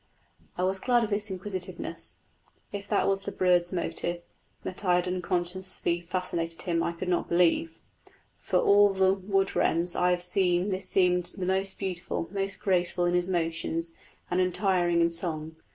I was glad of this inquisitiveness, if that was the bird's motive (that I had unconsciously fascinated him I could not believe); for of all the wood wrens I have seen this seemed the most beautiful, most graceful in his motions, and untiring in song.